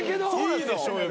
いいでしょうよ